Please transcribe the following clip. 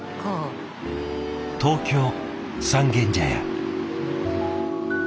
東京・三軒茶屋。